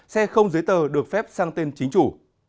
xe không giấy tờ được phép sang tên chính chủ